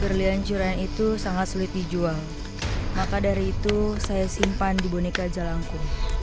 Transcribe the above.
perlian curian itu sangat sulit dijual maka dari itu saya simpan di boneka jalanku